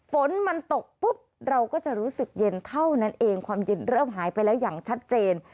ฝนมันตกปุ๊บเราก็จะรู้สึกเย็นเท่านั้นเองความเย็นเริ่มหายไปแล้วอย่างชัดเจน